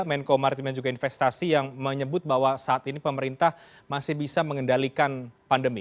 menko maritiman juga investasi yang menyebut bahwa saat ini pemerintah masih bisa mengendalikan pandemi